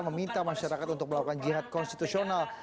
meminta masyarakat untuk melakukan jihad konstitusional